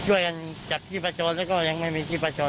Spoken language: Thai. กล้วยกันจากชีวิตประชลแล้วก็ยังไม่มีชีวิตประชล